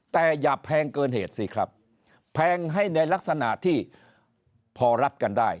แต่อย่าแพงเกินเหตุสิครับแพงให้ในลักษณะที่พอรับกันได้